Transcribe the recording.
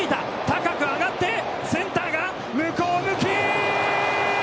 高く上がってセンターが、向こうむき！